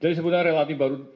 jadi sebenarnya relatif baru